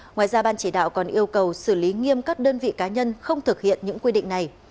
ngoài ra ban chỉ đạo còn yêu cầu xử lý nghiêm các đơn vị cá nhân không thực hiện những quy định này